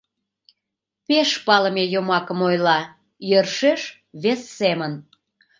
Пеш палыме йомакым Ойла йӧршеш вес семын.